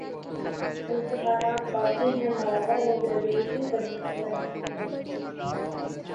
امتحانات باقی ہیں ملالہ نے گریجویشن کرنے کی تردید کردی